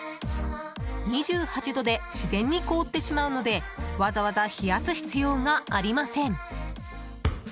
２８度で自然に凍ってしまうのでわざわざ冷やす必要がありません。